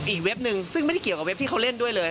อีกเว็บนึงซึ่งไม่เกี่ยวเว็บที่เค้าเล่นด้วยเลย